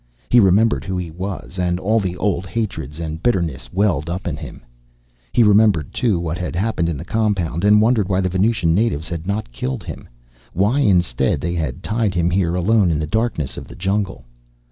He remembered who he was, and all the old hatreds and bitterness welled up in him. He remembered, too, what had happened in the compound, and wondered why the Venusian natives had not killed him. Why, instead, they had tied him here alone in the darkness of the jungle.